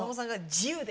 「自由で」？